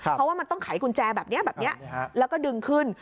เพราะว่ามันต้องขายกุญแจแบบนี้แล้วก็ดึงขึ้น